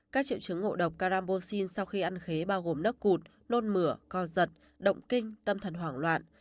các triệu chứng ngộ độc caramoxin sau khi ăn khế bao gồm nước cụt nôn mửa co giật động kinh tâm thần hoảng loạn